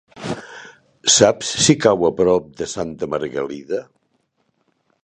Saps si cau a prop de Santa Margalida?